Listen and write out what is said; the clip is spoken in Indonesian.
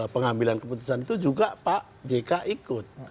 pengambilan keputusan itu juga pak jk ikut